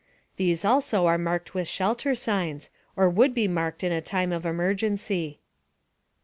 These also are marked with shelter signs, or would be marked in a time of emergency.